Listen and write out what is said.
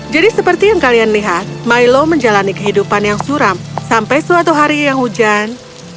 jadi seperti yang kalian lihat milo menjalani kehidupan yang suram sampai suatu hari yang hujan